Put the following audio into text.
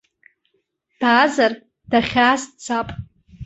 Даазар, дахьааз дцап!